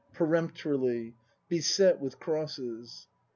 [Peremjdorily.] Besrt with crosses.